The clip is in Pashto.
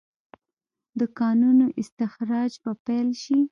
د کانونو استخراج به پیل شي؟